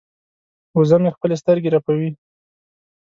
وزه مې خپلې سترګې رپوي.